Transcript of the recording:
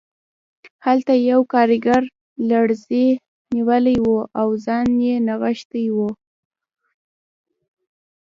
هلته یو کارګر لړزې نیولی و او ځان یې نغښتی و